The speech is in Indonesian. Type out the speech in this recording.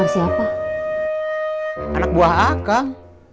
siapa anak buah akan